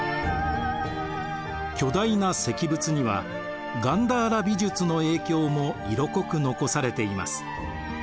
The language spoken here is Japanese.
巨大な石仏にはガンダーラ美術の影響も色濃く残されています。